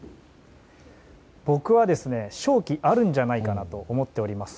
僕は勝機あるんじゃないかなと思っております。